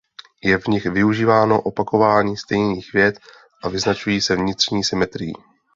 Je v nich využíváno opakování stejných vět a vyznačují se vnitřní symetrií.